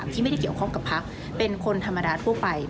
ที่ไม่ได้เกี่ยวข้องกับพักเป็นคนธรรมดาทั่วไป